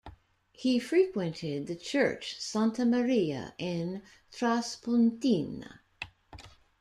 He frequented the church Santa Maria in Traspontina.